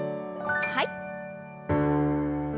はい。